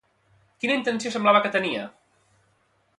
Quina intenció semblava que tenia?